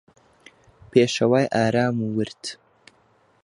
پێشەوای ئارام و ورد